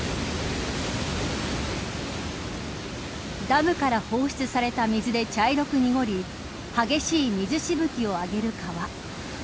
ダムから放出された水で茶色く濁り激しい水しぶきを上げる川。